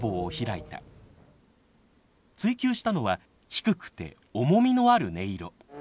追求したのは低くて重みのある音色。